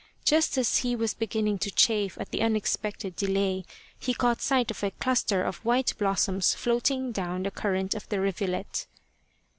Just as he was beginning to chafe at the unexpected delay he caught sight of a cluster of white blossoms floating down the current of the rivulet.